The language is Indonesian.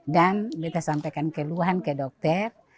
kita sampaikan keluhan ke dokter